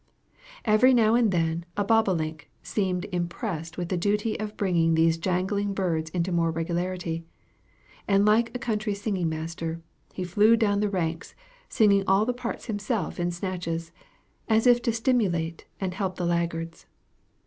Every now and then a bobolink seemed impressed with the duty of bringing these jangling birds into more regularity; and like a country singing master, he flew down the ranks, singing all the parts himself in snatches, as if to stimulate and help the laggards.